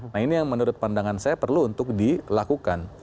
nah ini yang menurut pandangan saya perlu untuk dilakukan